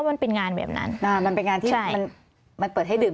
ไม่ค่ะเขาก็กระทืบ